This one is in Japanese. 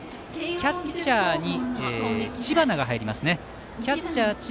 キャッチャーに知花が入ります。